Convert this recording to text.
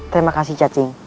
terima kasih caci